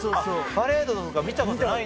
パレードとか見たことないんだ。